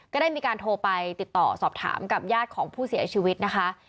ก็ได้มีการโทรไปติดต่อสอบถามกับญาติของผู้เสียชีวิตนะคะ